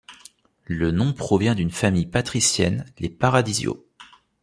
Le nom provient d'une famille patricienne, les Paradiso.